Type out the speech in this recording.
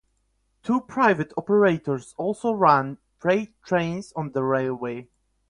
Two private operators also run freight trains on the railway.